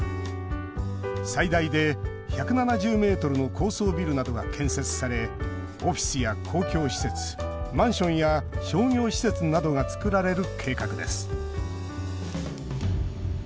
最大で１７０ｍの高層ビルなどが建設されオフィスや公共施設マンションや商業施設などが造られる計画です。